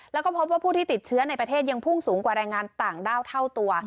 แล้วก็พบว่าผู้ที่ติดเชื้อในประเทศยังพุ่งสูงกว่าแรงงานต่างด้าวเท่าตัว